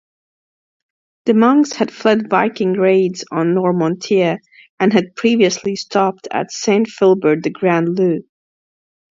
The monks had fled Viking raids on Noirmoutier, and had previously stopped at Saint-Philbert-de-Grand-Lieu.